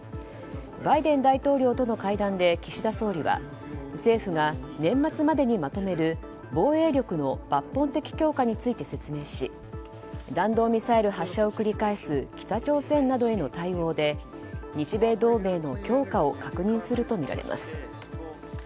バイデン大統領との会談で岸田総理は政府が年末までにまとめる防衛力の抜本的強化について説明し弾道ミサイル発射を繰り返す北朝鮮などへの対応で日米同盟の強化を確認するとみられます。